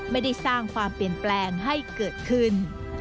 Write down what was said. ไม่ได้สร้างความเปลี่ยนแปลงให้เกิดขึ้น